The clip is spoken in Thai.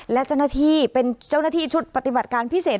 และเจ้าหน้าที่เป็นเจ้าหน้าที่ชุดปฏิบัติการพิเศษ